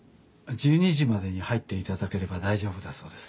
１２時までに入っていただければ大丈夫だそうです。